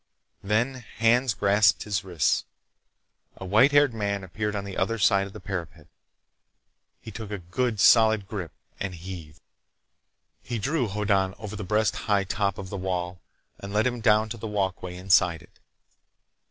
Then hands grasped his wrists. A white haired man appeared on the other side of the parapet. He took a good, solid grip, and heaved. He drew Hoddan over the breast high top of the wall and let him down to the walkway inside it.